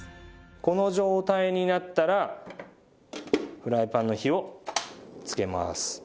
この状態になったらフライパンの火をつけます。